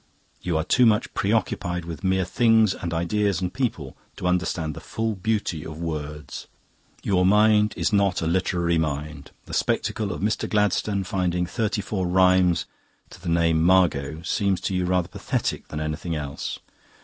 You are too much preoccupied with mere things and ideas and people to understand the full beauty of words. Your mind is not a literary mind. The spectacle of Mr. Gladstone finding thirty four rhymes to the name 'Margot' seems to you rather pathetic than anything else.